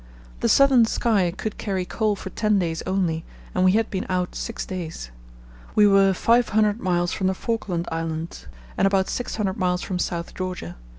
The Southern Sky could carry coal for ten days only, and we had been out six days. We were 500 miles from the Falkland Islands and about 600 miles from South Georgia.